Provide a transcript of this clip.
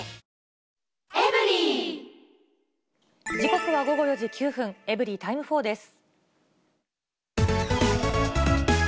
時刻は午後４時９分、エブリィタイム４です。